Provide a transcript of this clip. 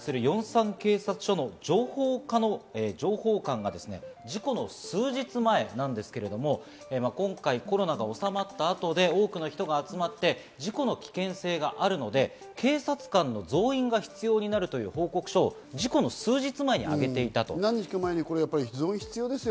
イテウォンを管轄する、ヨンサン警察署の情報課の情報官が事故の数日前なんですが、今回、コロナがおさまった後で多くの人が集まって、事故の危険性があるので、警察官の増員が必要になるという報告書を事故の数日前にあげていたということです。